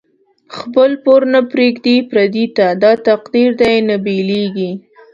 خپل پور نه پریږدی پردی ته، دا تقدیر دۍ نه بیلیږی